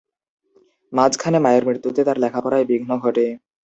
মাঝখানে মায়ের মৃত্যুতে তার লেখাপড়ায় বিঘ্ন ঘটে।